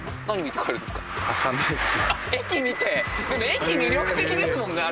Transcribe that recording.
駅魅力的ですもんね。